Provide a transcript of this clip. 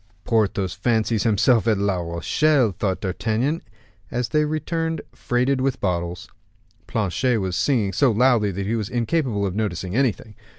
"Porthos fancies himself at La Rochelle," thought D'Artagnan, as they returned freighted with bottles. Planchet was singing so loudly that he was incapable of noticing anything.